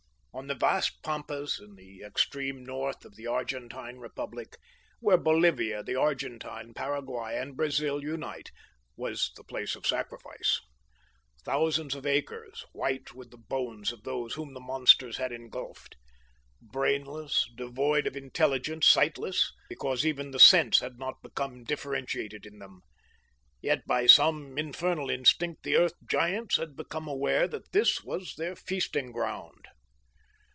On the vast pampas in the extreme north of the Argentine Republic, where Bolivia, the Argentine, Paraguay and Brazil unite, was the place of sacrifice. Thousands of acres, white with the bones of those whom the monsters had engulfed. Brainless, devoid of intelligence, sightless, because even the sense had not become differentiated in them, yet by some infernal instinct the Earth Giants had become aware that this was their feasting ground.